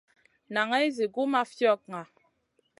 Naŋay zi gu ma fiogŋa.